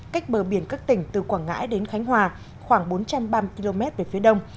cách bờ biển các tỉnh từ quảng ngãi đến khánh hòa khoảng bốn trăm ba mươi km về phía đông